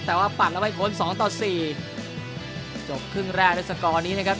แต่ว่าปั่นแล้วไปขน๒๔จบครึ่งแรกด้วยสกอร์นี้นะครับ